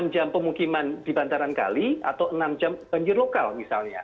enam jam pemukiman di bantaran kali atau enam jam banjir lokal misalnya